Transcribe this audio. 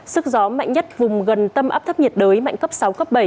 sức gió mạnh nhất vùng gần tâm áp thấp nhiệt đới mạnh cấp sáu cấp bảy